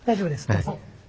どうぞ。